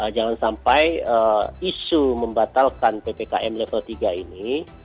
jangan sampai isu membatalkan ppkm level tiga ini